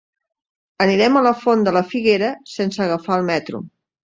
Anirem a la Font de la Figuera sense agafar el metro.